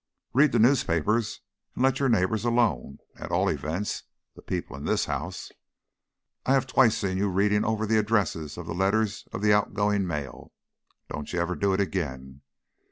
"Read the newspapers and let your neighbours alone, at all events the people in this house. I have twice seen you reading over the addresses of the letters of the outgoing mail. Don't you ever do it again.